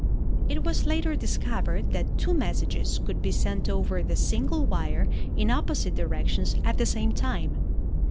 It was later discovered that two messages' could be sent over the single wire in opposite directions at the same time.